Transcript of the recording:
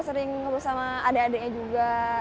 sering ngobrol sama adek adeknya juga